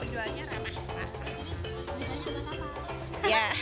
ini penjualnya ramah